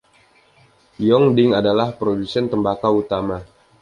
Yongding adalah produsen tembakau utama.